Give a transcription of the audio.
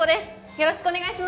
よろしくお願いします